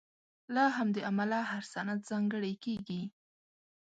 له همدې امله هر سند ځانګړی کېږي.